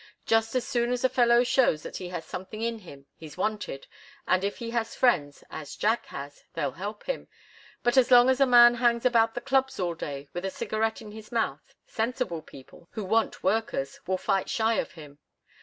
Just as soon as a fellow shows that he has something in him, he's wanted, and if he has friends, as Jack has, they'll help him. But as long as a man hangs about the clubs all day with a cigarette in his mouth, sensible people, who want workers, will fight shy of him.